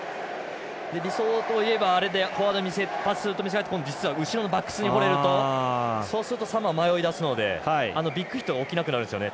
理想といえばフォワードパスと見せかけて実は後ろのバックスに放れるとそうするとサモアは迷いだすのでビッグヒットが起きなくなるんですよね